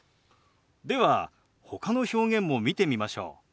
ではほかの表現も見てみましょう。